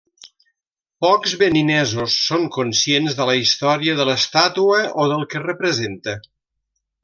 Pocs beninesos són conscients de la història de l'estàtua o del que representa.